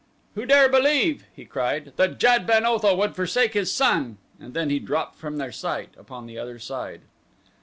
"Who dare believe," he cried, "that Jad ben Otho would forsake his son?" and then he dropped from their sight upon the other side.